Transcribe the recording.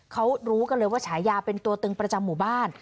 เขารู้กันเลยว่าฉายาเป็นตัวตึงประจำหมู่บ้าน